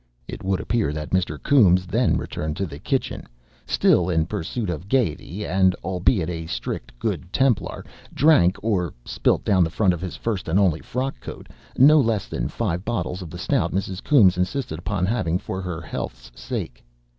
It would appear that Mr. Coombes then returned to the kitchen, still in pursuit of gaiety, and, albeit a strict Good Templar, drank (or spilt down the front of the first and only frock coat) no less than five bottles of the stout Mrs. Coombes insisted upon having for her health's sake.